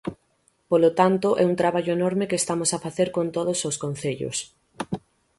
Polo tanto, é un traballo enorme que estamos a facer con todos os concellos.